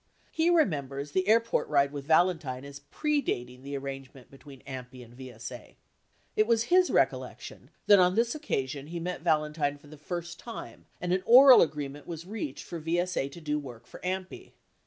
He remembers the air port ride with Valentine as predating the arrangement between AMPI and VSA. 45 It was his recollection that on this occasion he met Valen tine for the first time and an oral agreement was reached for VSA to do work for AMPI.